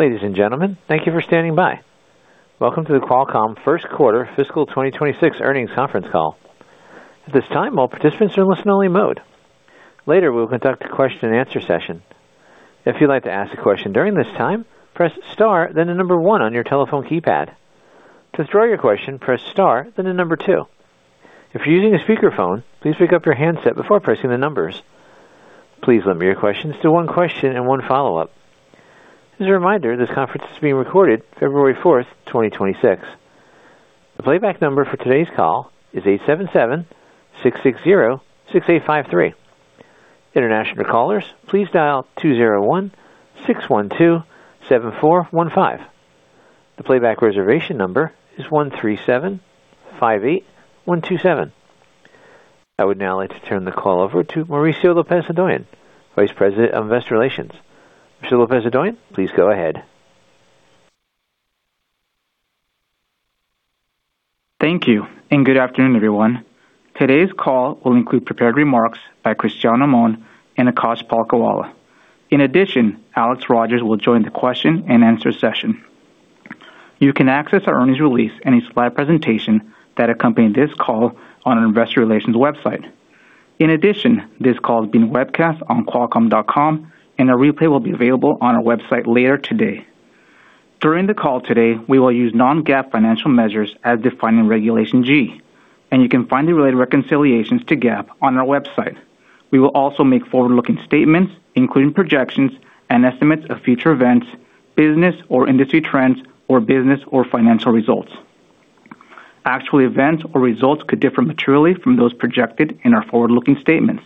Ladies and gentlemen, thank you for standing by. Welcome to the Qualcomm Q1 Fiscal 2026 Earnings Conference Call. At this time, all participants are in listen-only mode. Later, we will conduct a question-and-answer session. If you'd like to ask a question during this time, press Star, then the number 1 on your telephone keypad. To withdraw your question, press Star, then the number 2. If you're using a speakerphone, please pick up your handset before pressing the numbers. Please limit your questions to one question and one follow-up. As a reminder, this conference is being recorded, February 4, 2026. The playback number for today's call is 877-660-6853. International callers, please dial 201-612-7415. The playback reservation number is 13758127. I would now like to turn the call over to Mauricio Lopez-Hodoyan, Vice President of Investor Relations. Mauricio Lopez-Hodoyan, please go ahead. Thank you, and good afternoon, everyone. Today's call will include prepared remarks by Cristiano Amon and Akash Palkhiwala. In addition, Alex Rogers will join the question-and-answer session. You can access our earnings release and its live presentation that accompany this call on our investor relations website. In addition, this call is being webcast on Qualcomm.com, and a replay will be available on our website later today. During the call today, we will use non-GAAP financial measures as defined in Regulation G, and you can find the related reconciliations to GAAP on our website. We will also make forward-looking statements, including projections and estimates of future events, business or industry trends, or business or financial results. Actual events or results could differ materially from those projected in our forward-looking statements.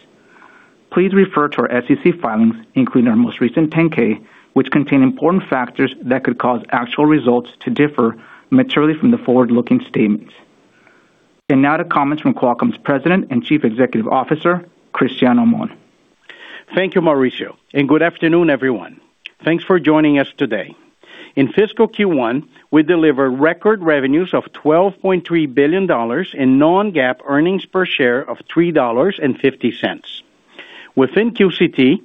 Please refer to our SEC filings, including our most recent 10-K, which contain important factors that could cause actual results to differ materially from the forward-looking statements. Now to comments from Qualcomm's President and Chief Executive Officer, Cristiano Amon. Thank you, Mauricio, and good afternoon, everyone. Thanks for joining us today. In fiscal Q1, we delivered record revenues of $12.3 billion and non-GAAP earnings per share of $3.50. Within QCT,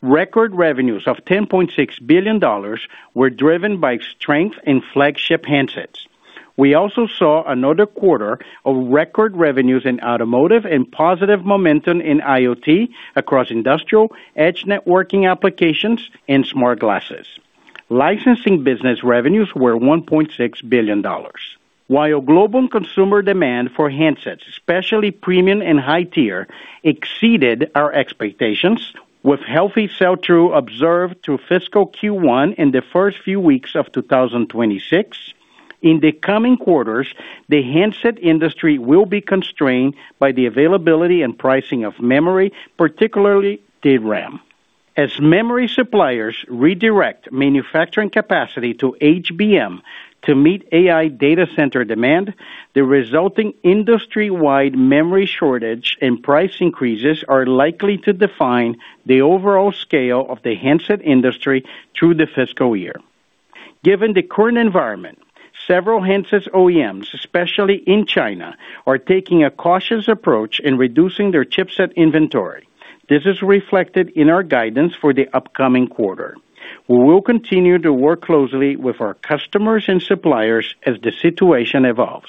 record revenues of $10.6 billion were driven by strength in flagship handsets. We also saw another quarter of record revenues in automotive and positive momentum in IoT across industrial, edge networking applications, and smart glasses. Licensing business revenues were $1.6 billion. While global consumer demand for handsets, especially premium and high-tier, exceeded our expectations, with healthy sell-through observed through fiscal Q1 in the first few weeks of 2026, in the coming quarters, the handset industry will be constrained by the availability and pricing of memory, particularly DRAM. As memory suppliers redirect manufacturing capacity to HBM to meet AI data center demand, the resulting industry-wide memory shortage and price increases are likely to define the overall scale of the handset industry through the fiscal year. Given the current environment, several handset OEMs, especially in China, are taking a cautious approach in reducing their chipset inventory. This is reflected in our guidance for the upcoming quarter. We will continue to work closely with our customers and suppliers as the situation evolves.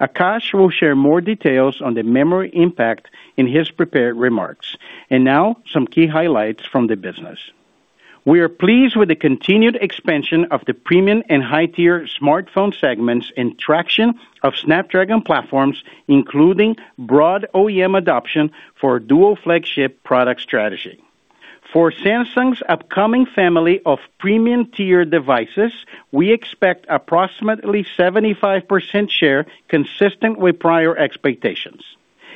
Akash will share more details on the memory impact in his prepared remarks. Now some key highlights from the business. We are pleased with the continued expansion of the premium and high-tier smartphone segments and traction of Snapdragon platforms, including broad OEM adoption for dual flagship product strategy. For Samsung's upcoming family of premium-tier devices, we expect approximately 75% share, consistent with prior expectations.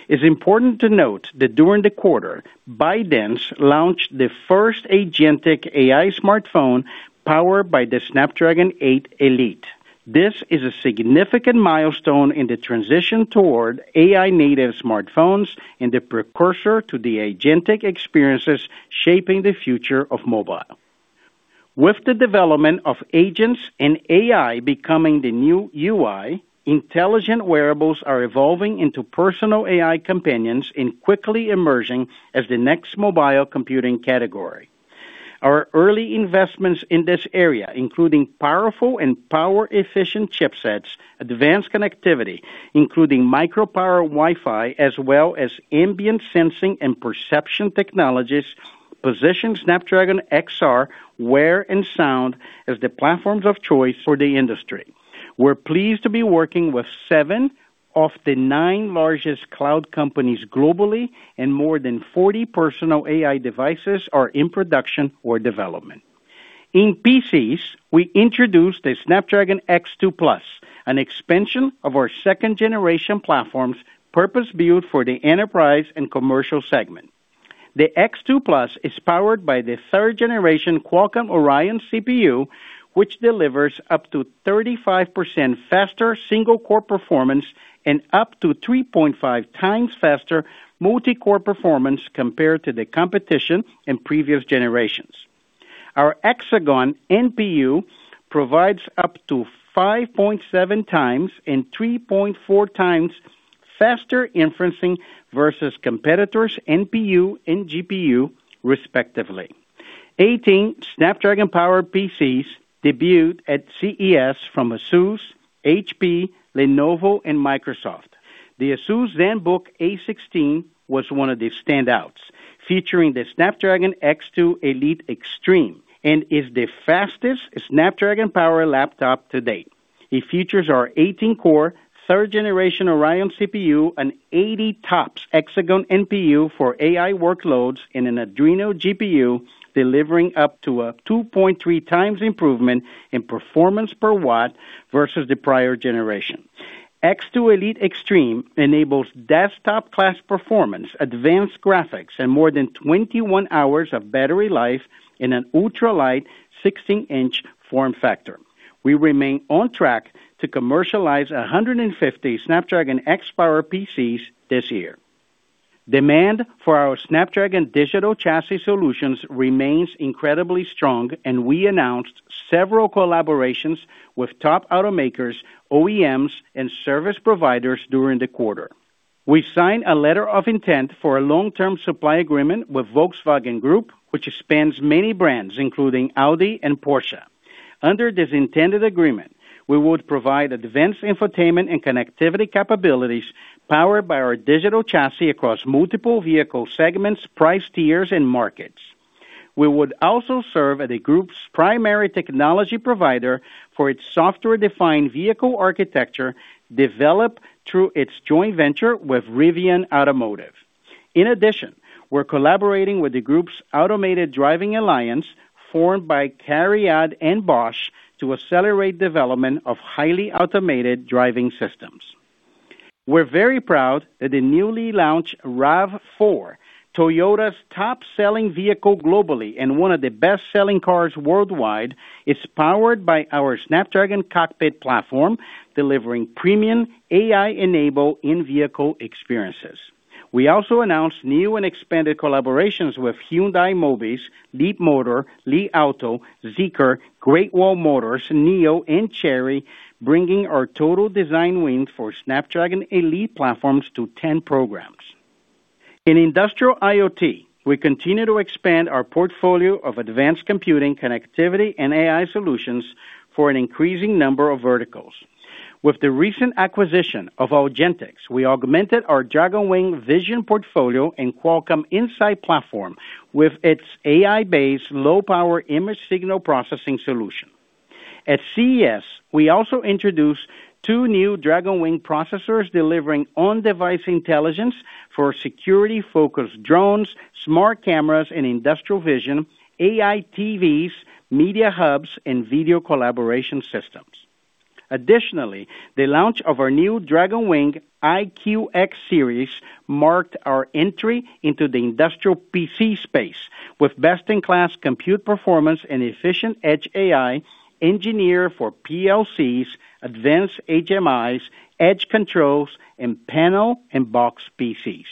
It's important to note that during the quarter, ByteDance launched the first agentic AI smartphone powered by the Snapdragon 8 Elite. This is a significant milestone in the transition toward AI-native smartphones and the precursor to the agentic experiences shaping the future of mobile. With the development of agents and AI becoming the new UI, intelligent wearables are evolving into personal AI companions and quickly emerging as the next mobile computing category. Our early investments in this area, including powerful and power-efficient chipsets, advanced connectivity, including Micro Power Wi-Fi, as well as ambient sensing and perception technologies, position Snapdragon XR, Wear, and Sound as the platforms of choice for the industry. We're pleased to be working with seven of the nine largest cloud companies globally, and more than 40 personal AI devices are in production or development. In PCs, we introduced the Snapdragon X2 Plus, an expansion of our second-generation platforms, purpose-built for the enterprise and commercial segment. The X2 Plus is powered by the third-generation Qualcomm Oryon CPU, which delivers up to 35% faster single-core performance and up to 3.5 times faster multi-core performance compared to the competition in previous generations. Our Hexagon NPU provides up to 5.7 times and 3.4 times faster inferencing versus competitors' NPU and GPU, respectively. 18 Snapdragon-powered PCs debuted at CES from ASUS, HP, Lenovo, and Microsoft. The ASUS Zenbook A16 was one of the standouts, featuring the Snapdragon X2 Elite Extreme and is the fastest Snapdragon-powered laptop to date. It features our 18-core, third-generation Oryon CPU, an 80 TOPS Hexagon NPU for AI workloads, and an Adreno GPU, delivering up to a 2.3 times improvement in performance per watt versus the prior generation. X2 Elite Extreme enables desktop-class performance, advanced graphics, and more than 21 hours of battery life in an ultra-light 16-inch form factor. We remain on track to commercialize 150 Snapdragon X-powered PCs this year. Demand for our Snapdragon Digital Chassis solutions remains incredibly strong, and we announced several collaborations with top automakers, OEMs, and service providers during the quarter. We signed a letter of intent for a long-term supply agreement with Volkswagen Group, which spans many brands, including Audi and Porsche. Under this intended agreement, we would provide advanced infotainment and connectivity capabilities, powered by our Digital Chassis across multiple vehicle segments, price tiers, and markets. We would also serve as a group's primary technology provider for its software-defined vehicle architecture, developed through its joint venture with Rivian Automotive. In addition, we're collaborating with the group's automated driving alliance, formed by CARIAD and Bosch, to accelerate development of highly automated driving systems. We're very proud that the newly launched RAV4, Toyota's top-selling vehicle globally and one of the best-selling cars worldwide, is powered by our Snapdragon Cockpit Platform, delivering premium AI-enabled in-vehicle experiences. We also announced new and expanded collaborations with Hyundai Mobis, Leapmotor, Li Auto, Zeekr, Great Wall Motor, NIO, and Chery, bringing our total design wins for Snapdragon Elite platforms to 10 programs. In industrial IoT, we continue to expand our portfolio of advanced computing, connectivity, and AI solutions for an increasing number of verticals. With the recent acquisition of Augentix, we augmented our Dragonwing vision portfolio and Qualcomm Insight platform with its AI-based, low-power image signal processing solution. At CES, we also introduced two new Dragonwing processors, delivering on-device intelligence for security-focused drones, smart cameras and industrial vision, AI TVs, media hubs, and video collaboration systems. Additionally, the launch of our new Dragonwing IQX series marked our entry into the industrial PC space with best-in-class compute performance and efficient edge AI, engineered for PLCs, advanced HMIs, edge controls, and panel and box PCs.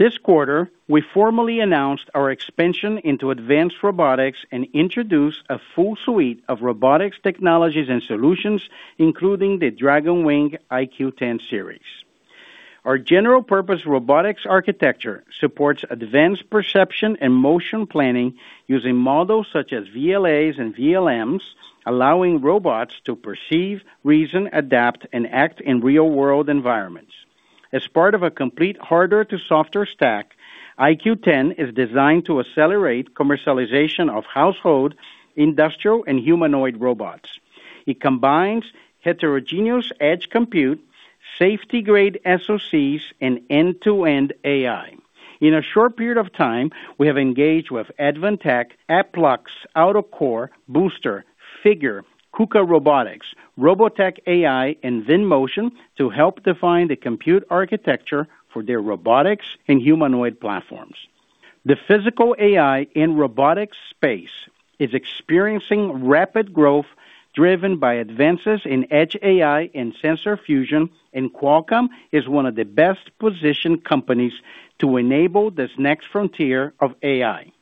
This quarter, we formally announced our expansion into advanced robotics and introduced a full suite of robotics technologies and solutions, including the Dragonwing IQ10 series. Our general-purpose robotics architecture supports advanced perception and motion planning using models such as VLAs and VLMs, allowing robots to perceive, reason, adapt, and act in real-world environments. As part of a complete hardware-to-software stack, IQ 10 is designed to accelerate commercialization of household, industrial, and humanoid robots. It combines heterogeneous edge compute, safety-grade SoCs, and end-to-end AI. In a short period of time, we have engaged with Advantech, APLEX, AutoCore, Booster, Figure, KUKA Robotics, Robotec.ai, and VinMotion to help define the compute architecture for their robotics and humanoid platforms. The physical AI and robotics space is experiencing rapid growth, driven by advances in edge AI and sensor fusion, and Qualcomm is one of the best-positioned companies to enable this next frontier of AI.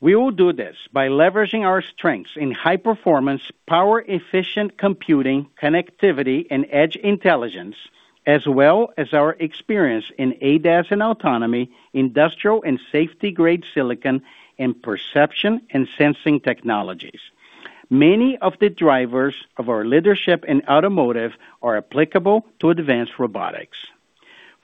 We will do this by leveraging our strengths in high performance, power-efficient computing, connectivity, and edge intelligence, as well as our experience in ADAS and autonomy, industrial and safety-grade silicon, and perception and sensing technologies. Many of the drivers of our leadership in automotive are applicable to advanced robotics.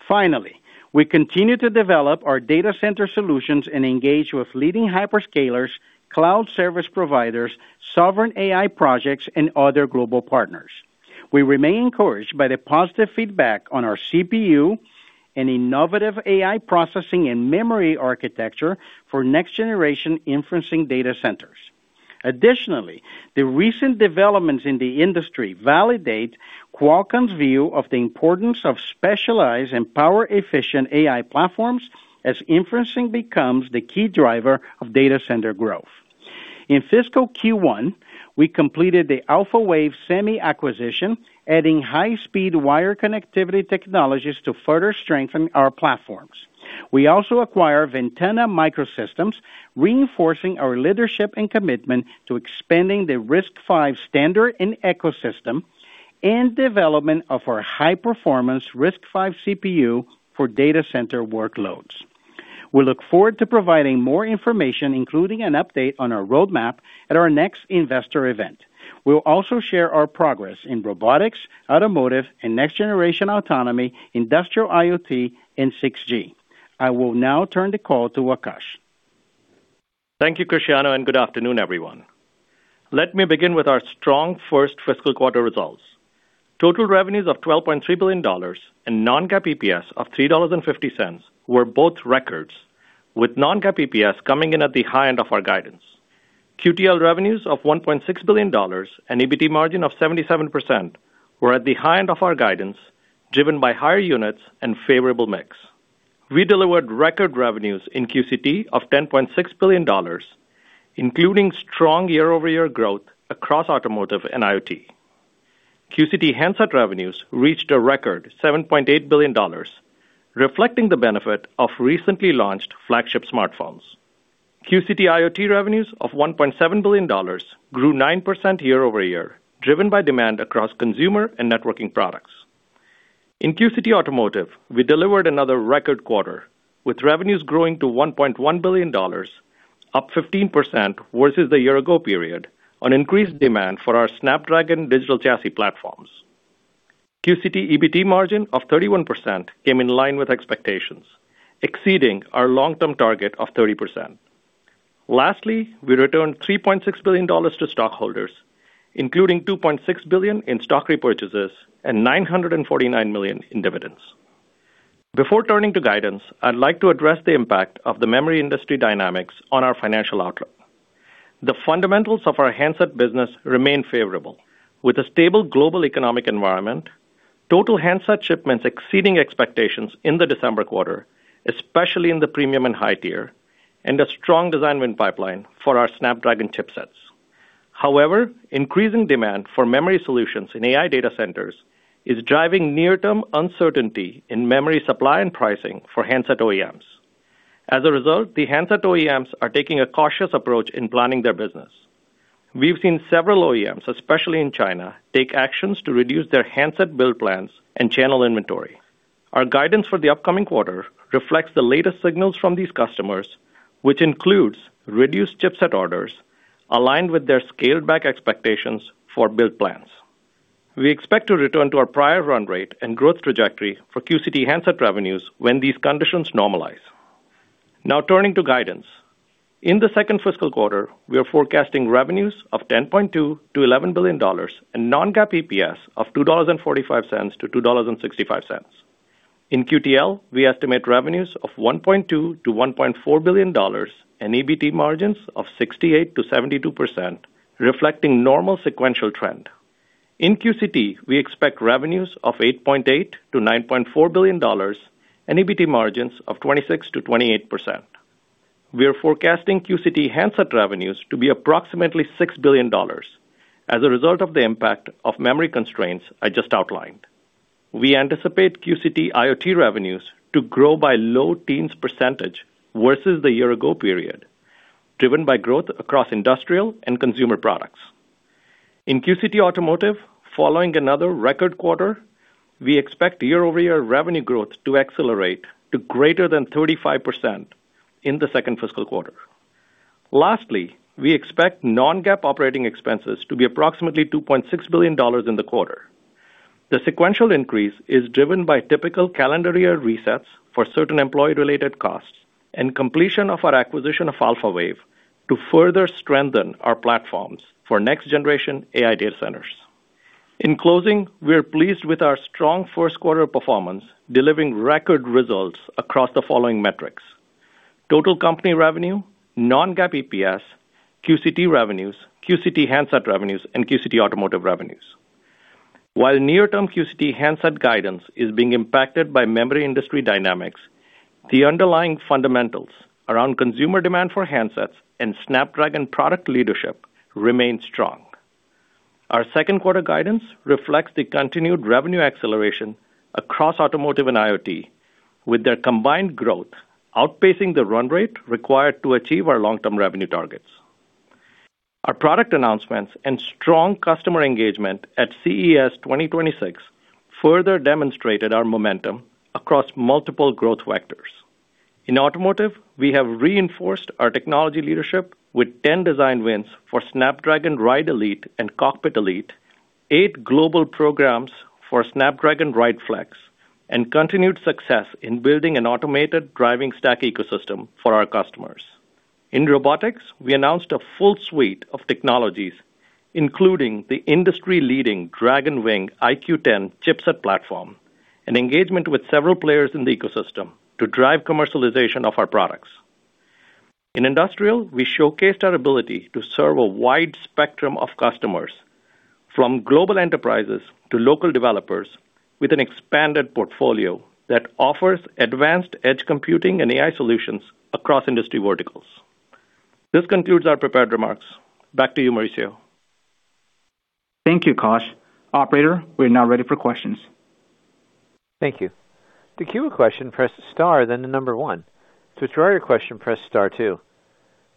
Finally, we continue to develop our data center solutions and engage with leading hyperscalers, cloud service providers, sovereign AI projects, and other global partners. We remain encouraged by the positive feedback on our CPU and innovative AI processing and memory architecture for next-generation inferencing data centers. Additionally, the recent developments in the industry validate Qualcomm's view of the importance of specialized and power-efficient AI platforms as inferencing becomes the key driver of data center growth. In fiscal Q1, we completed the Alphawave Semi acquisition, adding high-speed wire connectivity technologies to further strengthen our platforms. We also acquire Ventana Microsystems, reinforcing our leadership and commitment to expanding the RISC-V standard and ecosystem, and development of our high-speed RISC-V CPU for data center workloads. We look forward to providing more information, including an update on our roadmap at our next investor event. We'll also share our progress in robotics, automotive, and next-generation autonomy, industrial IoT, and 6G. I will now turn the call to Akash. Thank you, Cristiano, and good afternoon, everyone. Let me begin with our strong first fiscal quarter results. Total revenues of $12.3 billion and non-GAAP EPS of $3.50 were both records, with non-GAAP EPS coming in at the high end of our guidance. QTL revenues of $1.6 billion and EBT margin of 77% were at the high end of our guidance, driven by higher units and favorable mix. We delivered record revenues in QCT of $10.6 billion, including strong year-over-year growth across automotive and IoT. QCT handset revenues reached a record $7.8 billion, reflecting the benefit of recently launched flagship smartphones. QCT IoT revenues of $1.7 billion grew 9% year-over-year, driven by demand across consumer and networking products. In QCT Automotive, we delivered another record quarter, with revenues growing to $1.1 billion, up 15% versus the year-ago period on increased demand for our Snapdragon Digital Chassis platforms. QCT EBT margin of 31% came in line with expectations, exceeding our long-term target of 30%. Lastly, we returned $3.6 billion to stockholders, including $2.6 billion in stock repurchases and $949 million in dividends. Before turning to guidance, I'd like to address the impact of the memory industry dynamics on our financial outlook. The fundamentals of our handset business remain favorable, with a stable global economic environment, total handset shipments exceeding expectations in the December quarter, especially in the premium and high tier, and a strong design win pipeline for our Snapdragon chipsets. However, increasing demand for memory solutions in AI data centers is driving near-term uncertainty in memory supply and pricing for handset OEMs. As a result, the handset OEMs are taking a cautious approach in planning their business. We've seen several OEMs, especially in China, take actions to reduce their handset build plans and channel inventory. Our guidance for the upcoming quarter reflects the latest signals from these customers, which includes reduced chipset orders aligned with their scaled-back expectations for build plans. We expect to return to our prior run rate and growth trajectory for QCT handset revenues when these conditions normalize. Now, turning to guidance. In the second fiscal quarter, we are forecasting revenues of $10.2 billion-$11 billion and non-GAAP EPS of $2.45-$2.65. In QTL, we estimate revenues of $1.2 billion-$1.4 billion and EBT margins of 68%-72%, reflecting normal sequential trend. In QCT, we expect revenues of $8.8 billion-$9.4 billion and EBT margins of 26%-28%. We are forecasting QCT handset revenues to be approximately $6 billion as a result of the impact of memory constraints I just outlined. We anticipate QCT IoT revenues to grow by low teens% versus the year-ago period, driven by growth across industrial and consumer products. In QCT Automotive, following another record quarter, we expect year-over-year revenue growth to accelerate to greater than 35% in the fiscal Q2. Lastly, we expect non-GAAP operating expenses to be approximately $2.6 billion in the quarter. The sequential increase is driven by typical calendar year resets for certain employee-related costs and completion of our acquisition of Alphawave to further strengthen our platforms for next-generation AI data centers. In closing, we are pleased with our strong Q1 performance, delivering record results across the following metrics: Total company revenue, non-GAAP EPS, QCT revenues, QCT handset revenues, and QCT automotive revenues. While near-term QCT handset guidance is being impacted by memory industry dynamics, the underlying fundamentals around consumer demand for handsets and Snapdragon product leadership remain strong. Our Q2 guidance reflects the continued revenue acceleration across automotive and IoT, with their combined growth outpacing the run rate required to achieve our long-term revenue targets. Our product announcements and strong customer engagement at CES 2026 further demonstrated our momentum across multiple growth vectors. In automotive, we have reinforced our technology leadership with 10 design wins for Snapdragon Ride Elite and Cockpit Elite, 8 global programs for Snapdragon Ride Flex, and continued success in building an automated driving stack ecosystem for our customers. In robotics, we announced a full suite of technologies, including the industry-leading Dragonwing IQ10 chipset platform and engagement with several players in the ecosystem to drive commercialization of our products. In industrial, we showcased our ability to serve a wide spectrum of customers, from global enterprises to local developers, with an expanded portfolio that offers advanced edge computing and AI solutions across industry verticals. This concludes our prepared remarks. Back to you, Mauricio. Thank you, Akash. Operator, we're now ready for questions. Thank you. To queue a question, press star, then the number one. To withdraw your question, press star two.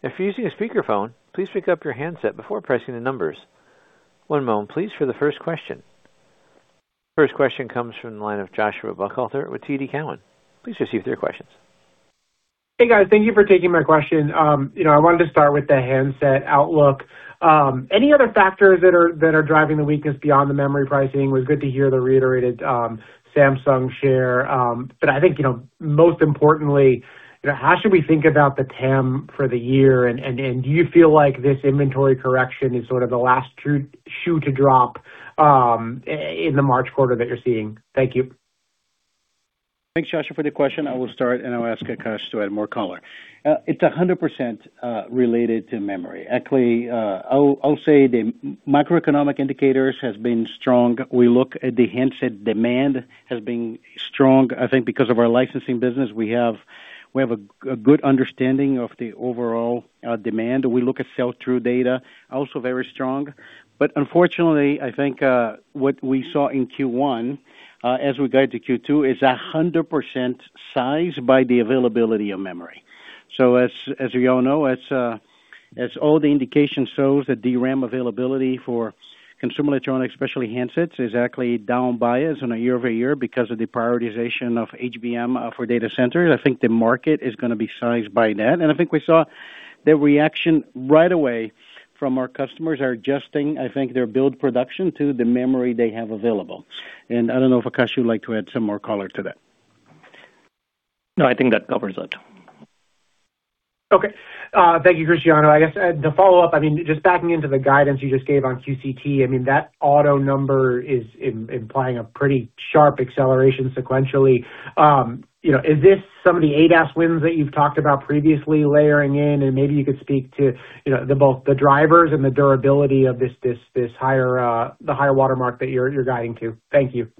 If you're using a speakerphone, please pick up your handset before pressing the numbers. One moment please, for the first question. First question comes from the line of Joshua Buchalter with TD Cowen. Please proceed with your questions. Hey, guys. Thank you for taking my question. You know, I wanted to start with the handset outlook. Any other factors that are driving the weakness beyond the memory pricing? It was good to hear the reiterated Samsung share. But I think, you know, most importantly, you know, how should we think about the TAM for the year, and do you feel like this inventory correction is sort of the last shoe to drop in the March quarter that you're seeing? Thank you. Thanks, Joshua, for the question. I will start, and I will ask Akash to add more color. It's 100%, related to memory. Actually, I'll say the microeconomic indicators has been strong. We look at the handset demand has been strong. I think because of our licensing business, we have a good understanding of the overall demand. We look at sell-through data, also very strong. But unfortunately, I think what we saw in Q1, as we go to Q2, is 100% sized by the availability of memory. So as we all know, as all the indication shows, the DRAM availability for consumer electronics, especially handsets, is actually down bias on a year-over-year because of the prioritization of HBM for data centers. I think the market is gonna be sized by that. I think we saw the reaction right away from our customers are adjusting, I think, their build production to the memory they have available. I don't know if, Akash, you'd like to add some more color to that? No, I think that covers it. Okay. Thank you, Cristiano. I guess, to follow up, I mean, just backing into the guidance you just gave on QCT, I mean, that auto number is implying a pretty sharp acceleration sequentially. You know, is this some of the ADAS wins that you've talked about previously layering in? And maybe you could speak to, you know, the, both the drivers and the durability of this higher watermark that you're guiding to. Thank you.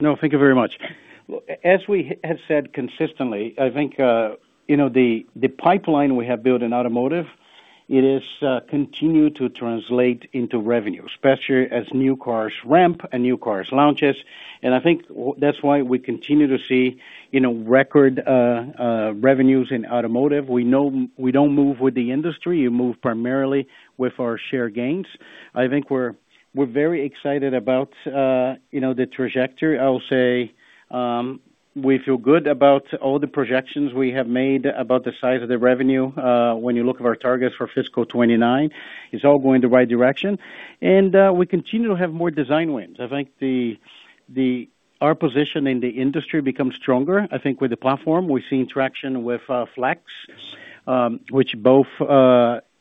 No, thank you very much. As we have said consistently, I think, you know, the pipeline we have built in automotive, it continues to translate into revenue, especially as new cars ramp and new cars launches. And I think that's why we continue to see, you know, record revenues in automotive. We know we don't move with the industry. We move primarily with our share gains. I think we're very excited about, you know, the trajectory. I will say, we feel good about all the projections we have made about the size of the revenue. When you look at our targets for fiscal 2029, it's all going the right direction, and we continue to have more design wins. I think our position in the industry becomes stronger. I think with the platform, we're seeing traction with flex, which both,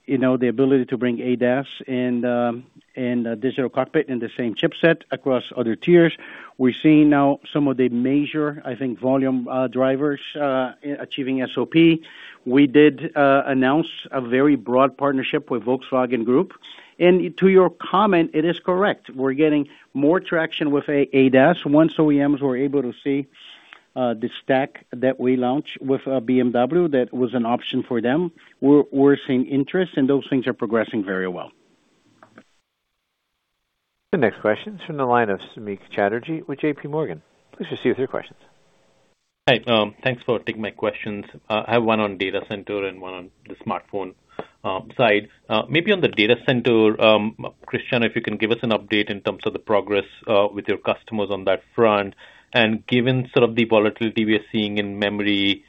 you know, the ability to bring ADAS and and digital cockpit in the same chipset across other tiers. We're seeing now some of the major, I think, volume drivers achieving SOP. We did announce a very broad partnership with Volkswagen Group. And to your comment, it is correct. We're getting more traction with ADAS once OEMs were able to see the stack that we launched with BMW, that was an option for them. We're seeing interest, and those things are progressing very well. The next question is from the line of Samik Chatterjee with J.P. Morgan. Please proceed with your questions. Hi, thanks for taking my questions. I have one on data center and one on the smartphone side. Maybe on the data center, Cristiano, if you can give us an update in terms of the progress with your customers on that front. And given sort of the volatility we are seeing in memory,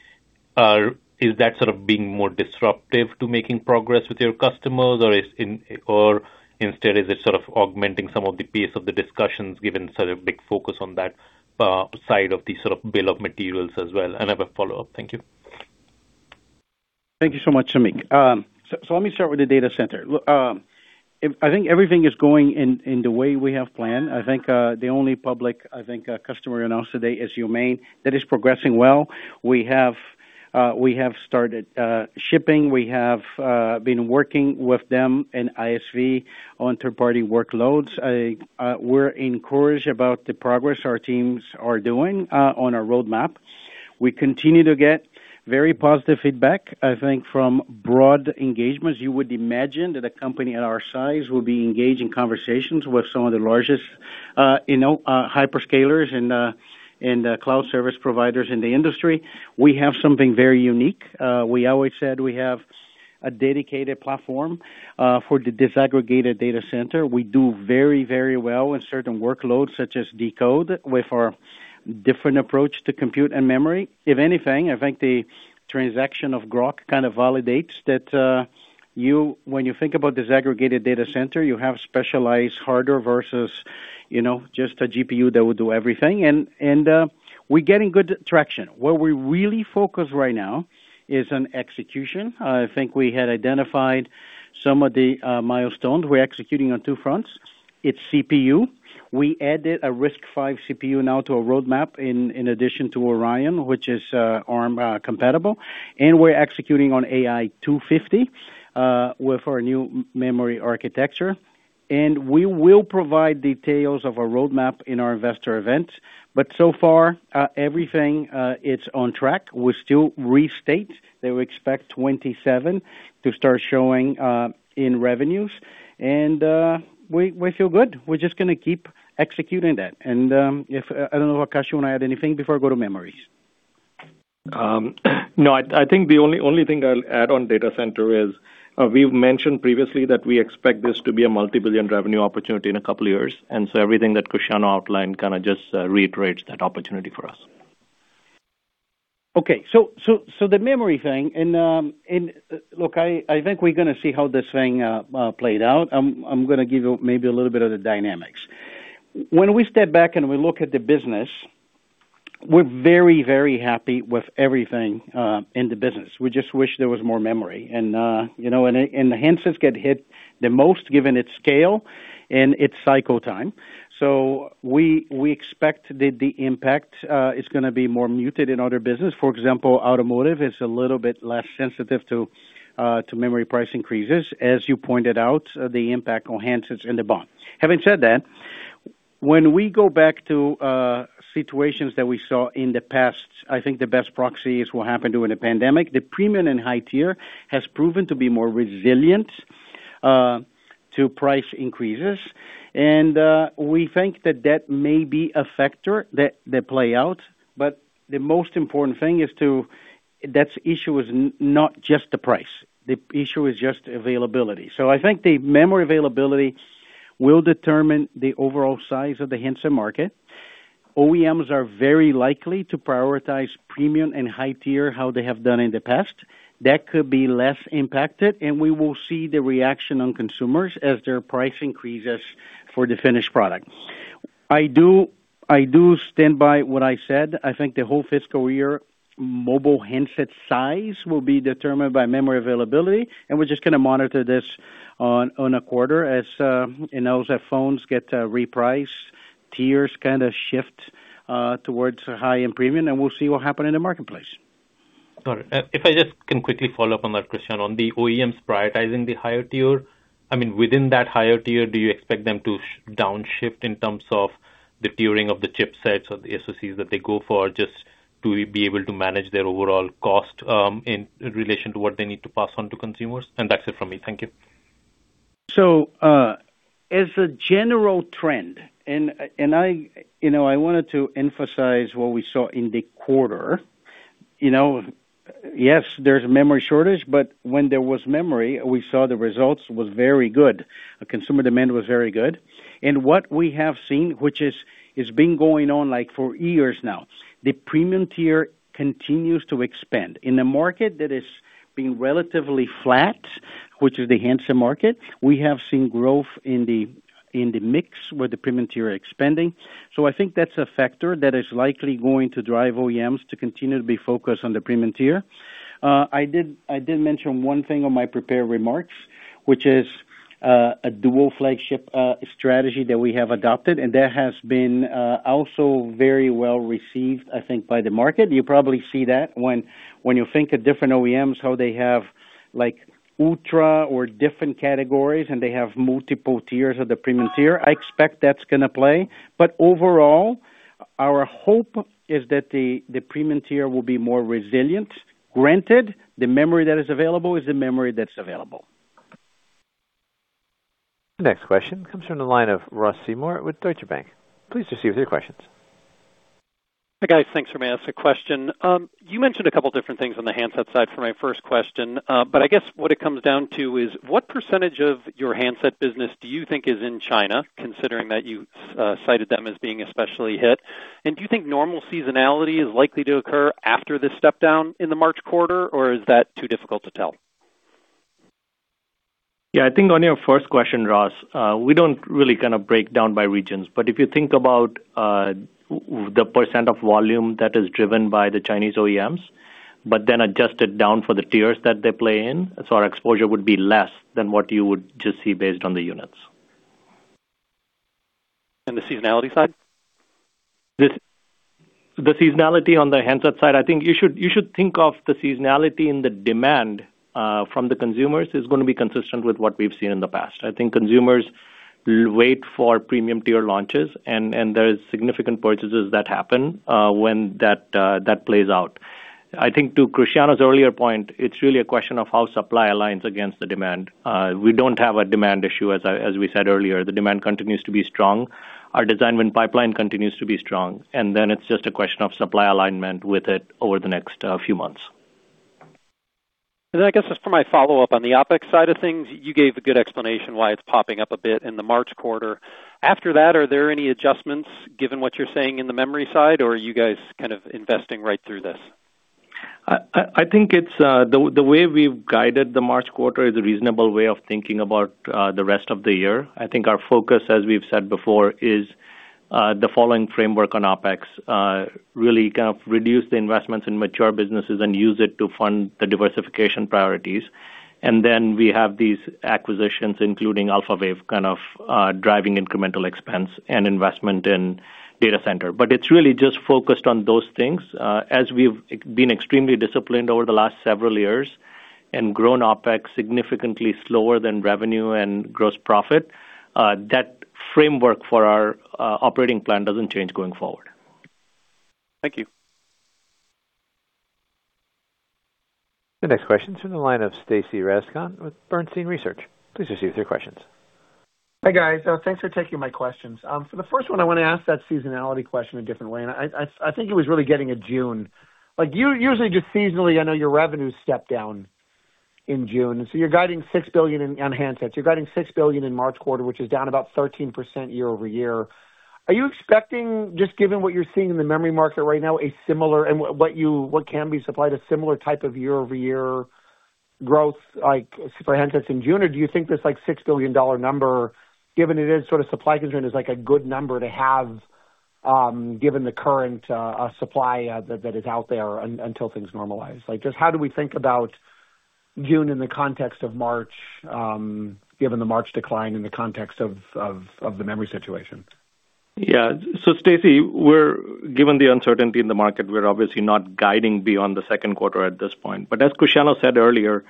is that sort of being more disruptive to making progress with your customers, or instead, is it sort of augmenting some of the pace of the discussions, given sort of big focus on that side of the sort of bill of materials as well? And I have a follow-up. Thank you. Thank you so much, Samik. So let me start with the data center. Look, I think everything is going in the way we have planned. I think the only public customer announced today is Humane. That is progressing well. We have started shipping. We have been working with them and ISV on third-party workloads. We're encouraged about the progress our teams are doing on our roadmap. We continue to get very positive feedback, I think, from broad engagements. You would imagine that a company at our size would be engaged in conversations with some of the largest hyperscalers and cloud service providers in the industry. We have something very unique. We always said we have a dedicated platform for the disaggregated data center. We do very, very well in certain workloads, such as decode, with our different approach to compute and memory. If anything, I think the transaction of Groq kind of validates that, when you think about disaggregated data center, you have specialized hardware versus, you know, just a GPU that will do everything. And we're getting good traction. Where we're really focused right now is on execution. I think we had identified some of the milestones. We're executing on two fronts. It's CPU. We added a RISC-V CPU now to our roadmap, in addition to Oryon, which is Arm compatible, and we're executing on AI 250 with our new memory architecture. And we will provide details of our roadmap in our investor event. But so far, everything it's on track. We still restate that we expect 27 to start showing in revenues, and we feel good. We're just going to keep executing that. And if I don't know, Akash, you want to add anything before I go to memory? No, I think the only thing I'll add on data center is, we've mentioned previously that we expect this to be a multi-billion revenue opportunity in a couple of years, and so everything that Cristiano outlined kind of just reiterates that opportunity for us. Okay, so the memory thing, and look, I think we're going to see how this thing played out. I'm going to give you maybe a little bit of the dynamics. When we step back and we look at the business, we're very happy with everything in the business. We just wish there was more memory. And you know, and the handsets get hit the most, given its scale and its cycle time. So we expect that the impact is going to be more muted in other business. For example, automotive is a little bit less sensitive to memory price increases. As you pointed out, the impact on handsets and the bond. Having said that, when we go back to situations that we saw in the past, I think the best proxy is what happened during the pandemic. The premium and high tier has proven to be more resilient to price increases, and we think that that may be a factor that play out. But the most important thing is. That issue is not just the price, the issue is just availability. So I think the memory availability will determine the overall size of the handset market. OEMs are very likely to prioritize premium and high tier, how they have done in the past. That could be less impacted, and we will see the reaction on consumers as their price increases for the finished product. I do, I do stand by what I said. I think the whole fiscal year, mobile handset size will be determined by memory availability, and we're just going to monitor this on a quarter as, you know, as phones get repriced, tiers kind of shift towards high-end premium, and we'll see what happens in the marketplace. Sorry, if I just can quickly follow up on that question. On the OEMs prioritizing the higher tier, I mean, within that higher tier, do you expect them to downshift in terms of the tiering of the chipsets or the SOCs that they go for, just to be able to manage their overall cost, in relation to what they need to pass on to consumers? That's it from me. Thank you. So, as a general trend, and I, you know, I wanted to emphasize what we saw in the quarter. You know, yes, there's a memory shortage, but when there was memory, we saw the results was very good. Consumer demand was very good. And what we have seen, which is being going on like for years now, the premium tier continues to expand. In a market that is being relatively flat, which is the handset market, we have seen growth in the mix, with the premium tier expanding. So I think that's a factor that is likely going to drive OEMs to continue to be focused on the premium tier. I did, I did mention one thing on my prepared remarks, which is, a dual flagship, strategy that we have adopted, and that has been, also very well received, I think, by the market. You probably see that when you think of different OEMs, how they have, like, ultra or different categories, and they have multiple tiers of the premium tier. I expect that's going to play, but overall, our hope is that the premium tier will be more resilient. Granted, the memory that is available is the memory that's available. The next question comes from the line of Ross Seymore with Deutsche Bank. Please proceed with your questions. Hi, guys. Thanks for asking the question. You mentioned a couple different things on the handset side for my first question, but I guess what it comes down to is: What percentage of your handset business do you think is in China, considering that you cited them as being especially hit? And do you think normal seasonality is likely to occur after this step down in the March quarter, or is that too difficult to tell? Yeah, I think on your first question, Ross, we don't really kind of break down by regions. But if you think about, the percent of volume that is driven by the Chinese OEMs, but then adjusted down for the tiers that they play in, so our exposure would be less than what you would just see based on the units. The seasonality side? The seasonality on the handset side, I think you should, you should think of the seasonality in the demand from the consumers is going to be consistent with what we've seen in the past. I think consumers will wait for premium tier launches, and, and there is significant purchases that happen when that, that plays out. I think to Cristiano's earlier point, it's really a question of how supply aligns against the demand. We don't have a demand issue as I as we said earlier, the demand continues to be strong. Our design win pipeline continues to be strong, and then it's just a question of supply alignment with it over the next few months. Then I guess just for my follow-up on the OpEx side of things, you gave a good explanation why it's popping up a bit in the March quarter. After that, are there any adjustments, given what you're saying in the memory side, or are you guys kind of investing right through this? I think it's... The way we've guided the March quarter is a reasonable way of thinking about the rest of the year. I think our focus, as we've said before, is the following framework on OpEx. Really kind of reduce the investments in mature businesses and use it to fund the diversification priorities. And then we have these acquisitions, including Alphawave, kind of driving incremental expense and investment in data center. But it's really just focused on those things, as we've been extremely disciplined over the last several years... and grown OpEx significantly slower than revenue and gross profit, that framework for our operating plan doesn't change going forward. Thank you. The next question is in the line of Stacy Rasgon with Bernstein Research. Please proceed with your questions. Hi, guys. Thanks for taking my questions. So the first one, I wanna ask that seasonality question a different way, and I think it was really getting at June. Like, you usually, just seasonally, I know your revenues step down in June, and so you're guiding $6 billion on handsets. You're guiding $6 billion in March quarter, which is down about 13% year-over-year. Are you expecting, just given what you're seeing in the memory market right now, a similar, and what you can be supplied, a similar type of year-over-year growth, like, for handsets in June? Or do you think this, like, $6 billion number, given it is sort of supply concern, is like a good number to have, given the current supply that is out there until things normalize? Like, just how do we think about June in the context of March, given the March decline in the context of the memory situation? Yeah. So Stacy, we're given the uncertainty in the market, we're obviously not guiding beyond the Q2 at this point. But as Cristiano said earlier,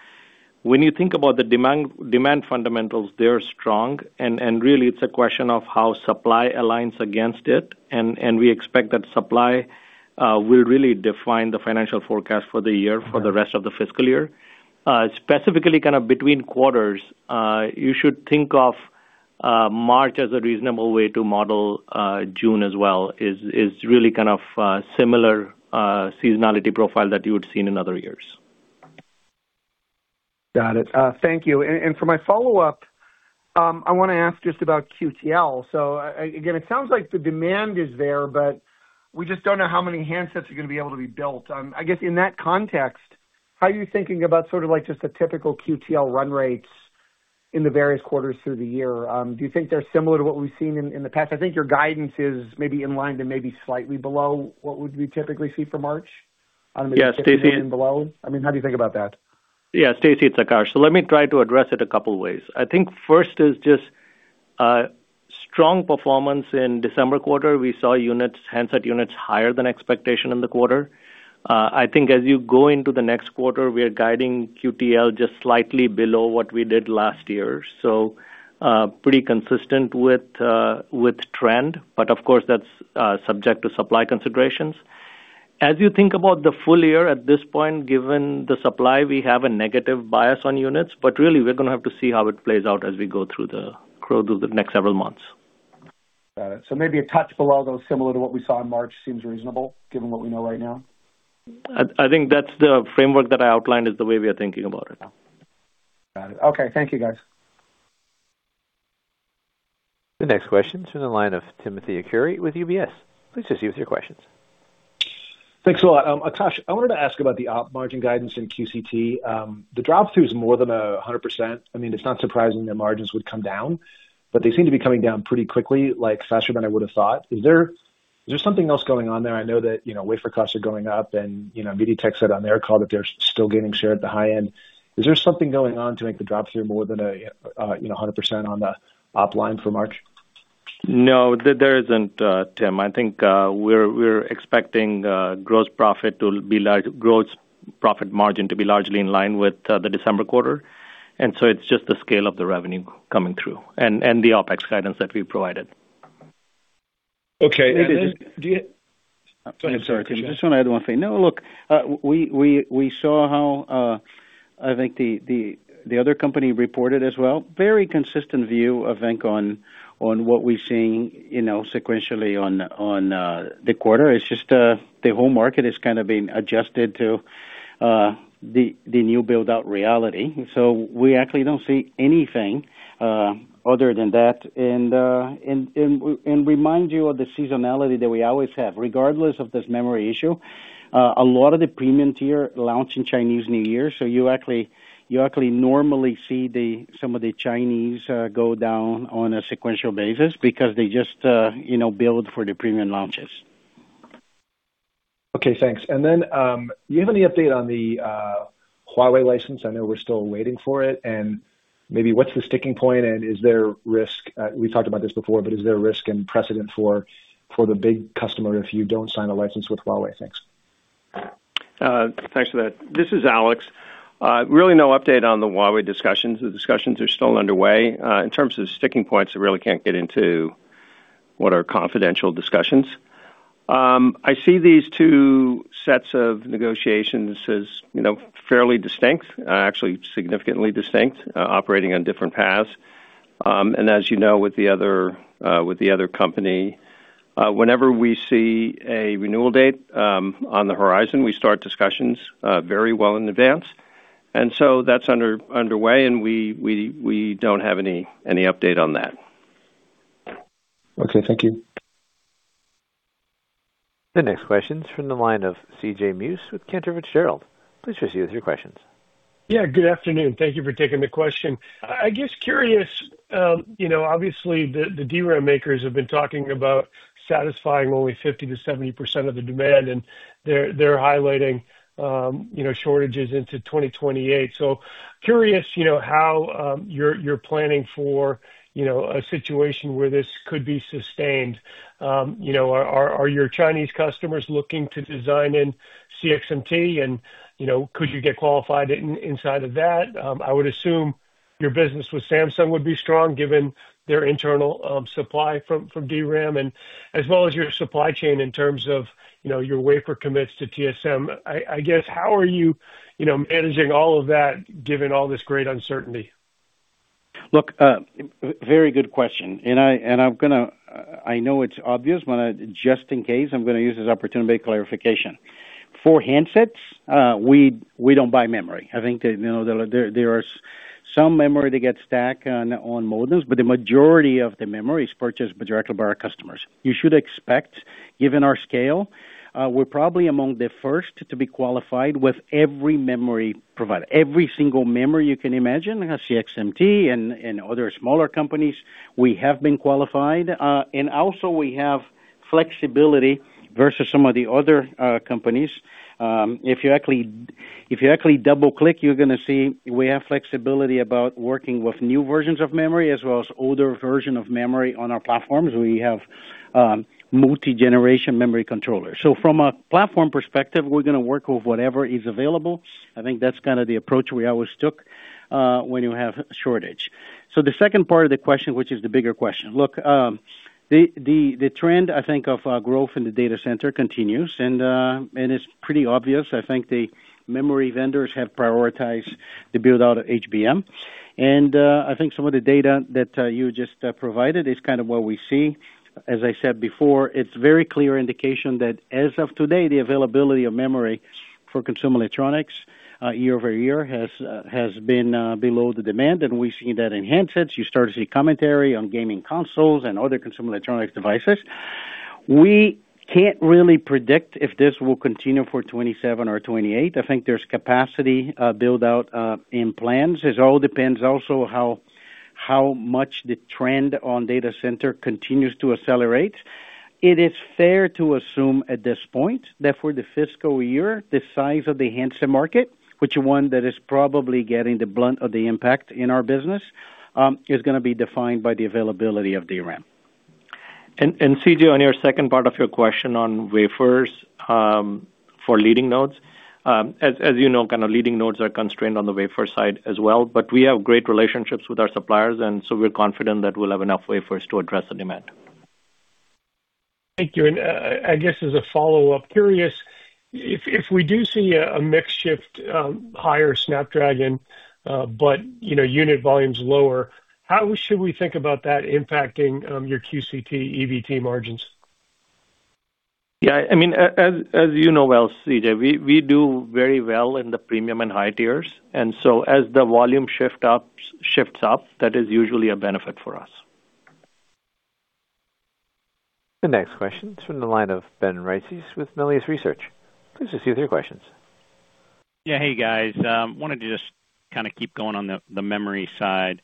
when you think about the demand, demand fundamentals, they're strong, and really, it's a question of how supply aligns against it. And we expect that supply will really define the financial forecast for the year, for the rest of the fiscal year. Specifically, kind of between quarters, you should think of March as a reasonable way to model June as well; it is really kind of similar seasonality profile that you would've seen in other years. Got it. Thank you. And for my follow-up, I wanna ask just about QTL. So again, it sounds like the demand is there, but we just don't know how many handsets are gonna be able to be built. I guess in that context, how are you thinking about sort of like just the typical QTL run rates in the various quarters through the year? Do you think they're similar to what we've seen in the past? I think your guidance is maybe in line to maybe slightly below what we would typically see for March. Yeah, Stacy- Below. I mean, how do you think about that? Yeah, Stacy, it's Akash. So let me try to address it a couple ways. I think first is just strong performance in December quarter. We saw units, handset units higher than expectation in the quarter. I think as you go into the next quarter, we are guiding QTL just slightly below what we did last year, so pretty consistent with with trend, but of course, that's subject to supply considerations. As you think about the full year at this point, given the supply, we have a negative bias on units, but really, we're gonna have to see how it plays out as we go through the next several months. Got it. So maybe a touch below, though, similar to what we saw in March, seems reasonable, given what we know right now? I think that's the framework that I outlined is the way we are thinking about it. Got it. Okay. Thank you, guys. The next question is from the line of Timothy Arcuri with UBS. Please proceed with your questions. Thanks a lot. Akash, I wanted to ask about the op margin guidance in QCT. The drop-through is more than 100%. I mean, it's not surprising that margins would come down, but they seem to be coming down pretty quickly, like, faster than I would've thought. Is there, is there something else going on there? I know that, you know, wafer costs are going up, and, you know, MediaTek said on their call that they're still gaining share at the high end. Is there something going on to make the drop through more than a, you know, 100% on the op line for March? No, there, there isn't, Tim. I think we're expecting gross profit to be large, gross profit margin to be largely in line with the December quarter, and so it's just the scale of the revenue coming through and the OpEx guidance that we provided. Okay. And then, do you... I'm sorry, Tim. Just wanna add one thing. No, look, we saw how, I think the other company reported as well, very consistent view, I think, on what we're seeing, you know, sequentially on the quarter. It's just the whole market is kind of being adjusted to the new build-out reality. So we actually don't see anything other than that. And remind you of the seasonality that we always have. Regardless of this memory issue, a lot of the premium tier launch in Chinese New Year, so you actually normally see some of the Chinese go down on a sequential basis because they just, you know, build for the premium launches. Okay, thanks. And then, do you have any update on the, Huawei license? I know we're still waiting for it, and maybe what's the sticking point, and is there risk? We talked about this before, but is there risk and precedent for, for the big customer if you don't sign a license with Huawei? Thanks. Thanks for that. This is Alex. Really no update on the Huawei discussions. The discussions are still underway. In terms of sticking points, I really can't get into what are confidential discussions. I see these two sets of negotiations as, you know, fairly distinct, actually significantly distinct, operating on different paths. And as you know, with the other, with the other company, whenever we see a renewal date, on the horizon, we start discussions, very well in advance. And so that's underway, and we don't have any update on that. Okay. Thank you. The next question is from the line of C.J. Muse with Cantor Fitzgerald. Please proceed with your questions.... Yeah, good afternoon. Thank you for taking the question. I, I guess, curious, you know, obviously the, the DRAM makers have been talking about satisfying only 50%-70% of the demand, and they're, they're highlighting, you know, shortages into 2028. So curious, you know, how, you're, you're planning for, you know, a situation where this could be sustained? You know, are, are, are your Chinese customers looking to design in CXMT, and, you know, could you get qualified inside of that? I would assume your business with Samsung would be strong, given their internal, supply from, from DRAM, and as well as your supply chain in terms of, you know, your wafer commits to TSM. I, I guess, how are you, you know, managing all of that, given all this great uncertainty? Look, very good question, and I'm gonna, I know it's obvious, but just in case, I'm gonna use this opportunity for clarification. For handsets, we don't buy memory. I think that, you know, there are some memory that get stacked on modems, but the majority of the memory is purchased directly by our customers. You should expect, given our scale, we're probably among the first to be qualified with every memory provider, every single memory you can imagine, CXMT and other smaller companies, we have been qualified. And also we have flexibility versus some of the other companies. If you actually double-click, you're gonna see we have flexibility about working with new versions of memory, as well as older version of memory on our platforms. We have multi-generation memory controllers. So from a platform perspective, we're gonna work with whatever is available. I think that's kind of the approach we always took when you have shortage. So the second part of the question, which is the bigger question. Look, the trend, I think, of growth in the data center continues, and it's pretty obvious. I think the memory vendors have prioritized the build-out of HBM, and I think some of the data that you just provided is kind of what we see. As I said before, it's very clear indication that as of today, the availability of memory for consumer electronics year-over-year has been below the demand, and we see that in handsets. You start to see commentary on gaming consoles and other consumer electronics devices. We can't really predict if this will continue for 2027 or 2028. I think there's capacity build-out in plans. It all depends also on how much the trend on data center continues to accelerate. It is fair to assume at this point that for the fiscal year, the size of the handset market, which one that is probably getting the brunt of the impact in our business, is gonna be defined by the availability of DRAM. And, C.J., on your second part of your question on wafers for leading nodes. As you know, kind of leading nodes are constrained on the wafer side as well, but we have great relationships with our suppliers, and so we're confident that we'll have enough wafers to address the demand. Thank you. I guess as a follow-up, curious if we do see a mix shift higher Snapdragon, but you know, unit volume's lower, how should we think about that impacting your QCT EBITDA margins? Yeah, I mean, as you know well, C.J., we do very well in the premium and high tiers, and so as the volume shift up-shifts up, that is usually a benefit for us. The next question is from the line of Ben Reitzes with Melius Research. Please proceed with your questions. Yeah. Hey, guys. Wanted to just kind of keep going on the, the memory side.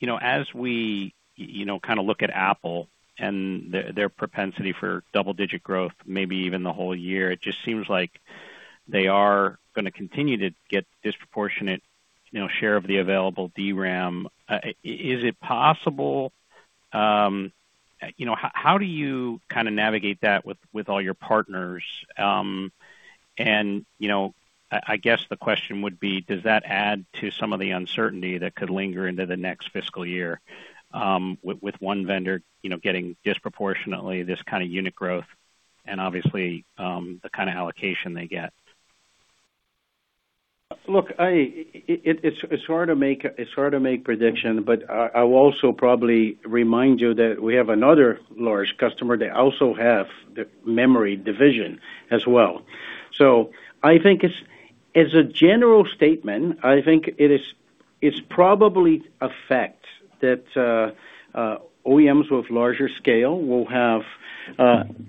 You know, as we, you know, kind of look at Apple and their, their propensity for double-digit growth, maybe even the whole year, it just seems like they are gonna continue to get disproportionate, you know, share of the available DRAM. Is it possible... You know, how do you kind of navigate that with, with all your partners? And, you know, I, I guess the question would be: Does that add to some of the uncertainty that could linger into the next fiscal year, with, with one vendor, you know, getting disproportionately this kind of unit growth and obviously, the kind of allocation they get? Look, it's hard to make prediction, but I will also probably remind you that we have another large customer that also have the memory division as well. So I think it's, as a general statement, it's probably a fact that OEMs with larger scale will have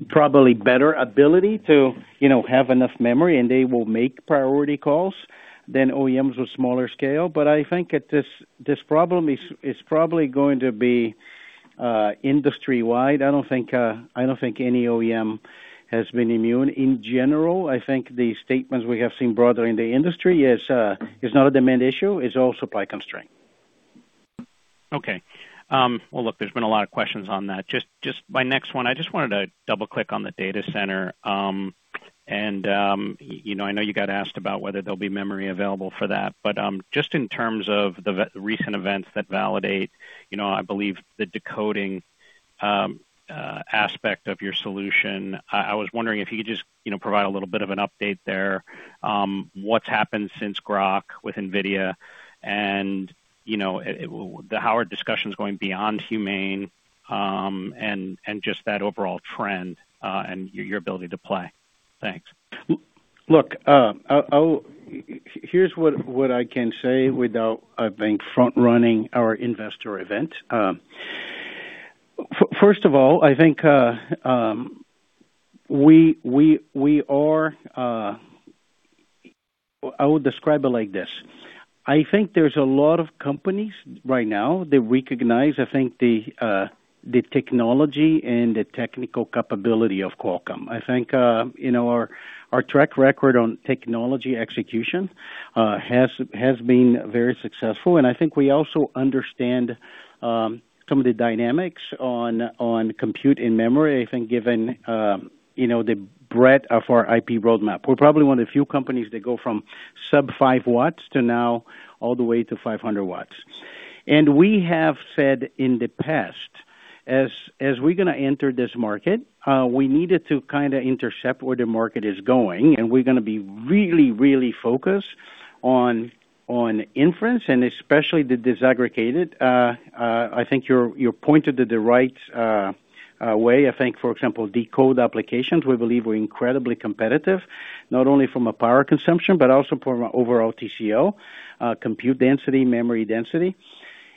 probably better ability to, you know, have enough memory, and they will make priority calls than OEMs with smaller scale. But I think that this problem is probably going to be industry-wide. I don't think any OEM has been immune. In general, I think the statements we have seen broader in the industry is not a demand issue; it's all supply constraint. Okay. Well, look, there's been a lot of questions on that. Just, just my next one, I just wanted to double-click on the data center. And, you know, I know you got asked about whether there'll be memory available for that, but, just in terms of the recent events that validate, you know, I believe the decoding aspect of your solution, I was wondering if you could just, you know, provide a little bit of an update there. What's happened since Groq with NVIDIA and, you know, how are discussions going beyond Humane, and just that overall trend, and your ability to play? Thanks. Look, I'll... Here's what I can say without, I think, front-running our investor event. First of all, I think, we are, I would describe it like this: I think there's a lot of companies right now, they recognize, I think, the technology and the technical capability of Qualcomm. I think, you know, our track record on technology execution has been very successful, and I think we also understand some of the dynamics on compute and memory. I think, given, you know, the breadth of our IP roadmap. We're probably one of the few companies that go from sub-5 watts to now all the way to 500 watts. We have said in the past, as, as we're gonna enter this market, we needed to kind of intercept where the market is going, and we're gonna be really, really focused on, on inference and especially the disaggregated. I think you're, you're pointed at the right, way. I think, for example, decode applications, we believe we're incredibly competitive, not only from a power consumption, but also from an overall TCO, compute density, memory density.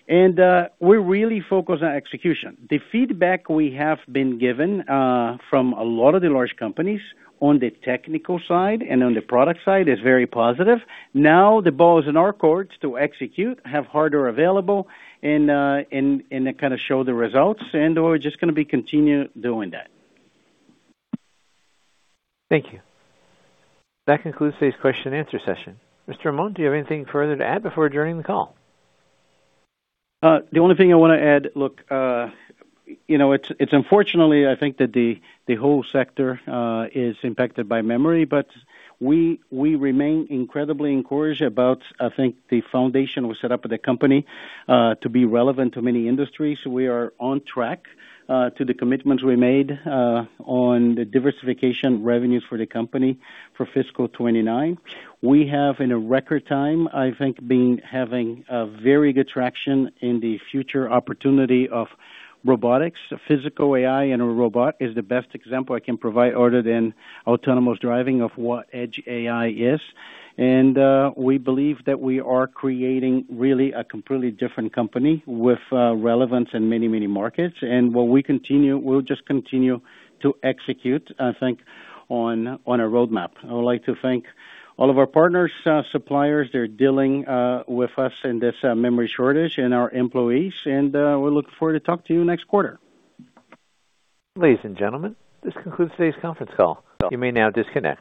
We're really focused on execution. The feedback we have been given, from a lot of the large companies on the technical side and on the product side, is very positive. Now, the ball is in our courts to execute, have hardware available, and, and, and kind of show the results, and we're just gonna be continue doing that. Thank you. That concludes today's question and answer session. Mr. Amon, do you have anything further to add before adjourning the call? The only thing I wanna add, look, you know, it's unfortunately, I think that the whole sector is impacted by memory, but we remain incredibly encouraged about, I think, the foundation we set up at the company to be relevant to many industries. We are on track to the commitments we made on the diversification revenues for the company for fiscal 2029. We have, in a record time, I think, been having a very good traction in the future opportunity of robotics. Physical AI in a robot is the best example I can provide, other than autonomous driving, of what Edge AI is. And we believe that we are creating really a completely different company with relevance in many, many markets. And what we continue-- we'll just continue to execute, I think, on our roadmap. I would like to thank all of our partners, suppliers that are dealing with us in this memory shortage, and our employees, and we look forward to talk to you next quarter. Ladies and gentlemen, this concludes today's conference call. You may now disconnect.